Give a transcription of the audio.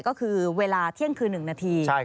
ก็คือเวลาเที่ยงคืน๑นาที